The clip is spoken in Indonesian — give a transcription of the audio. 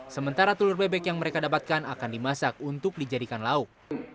sementara telur bebek yang mereka dapatkan akan dimasak untuk dijadikan lauk